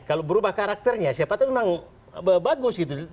kalau berubah karakternya siapa itu memang bagus gitu